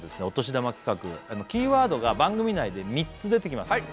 お年玉企画キーワードが番組内で３つ出てきます